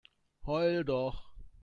Heul doch!